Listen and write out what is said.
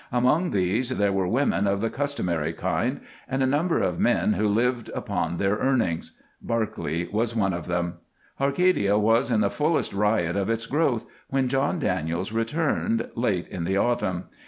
Among these there were women of the customary kind and a number of men who lived upon their earnings. Barclay was one of them. Arcadia was in the fullest riot of its growth when John Daniels returned, late in the autumn.